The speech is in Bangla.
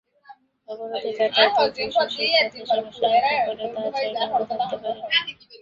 অবরোধে যাতায়াতে যেসব শিক্ষার্থী সমস্যার মুখে পড়ে, তারা চাইলে হলে থাকতে পারে।